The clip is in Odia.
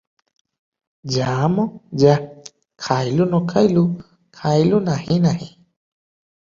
ଯା ମ ଯା, ଖାଇଲୁ, ନ ଖାଇଲୁ, ଖାଇଲୁ ନାହିଁ ନାହିଁ ।"